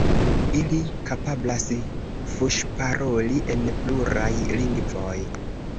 Ili kapablas fuŝparoli en pluraj lingvoj.